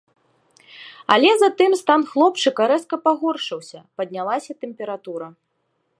Але затым стан хлопчыка рэзка пагоршыўся, паднялася тэмпература.